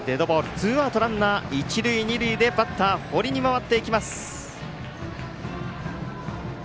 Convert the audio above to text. ツーアウトランナー、一塁、二塁でバッター、堀に回っていきます。